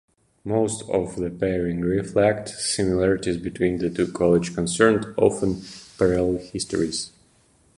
Most of the pairings reflect similarities between the two colleges concerned, often parallel histories.